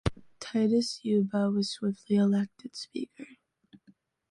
Titus Uba was swiftly elected speaker